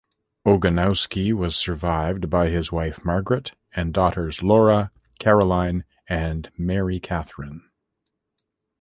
Ogonowski was survived by his wife Margaret and daughters Laura, Caroline, and Mary Catherine.